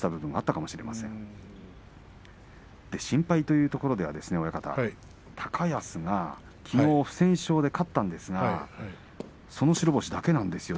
心配というところでは高安がきのう不戦勝で勝ったんですがその白星だけなんですね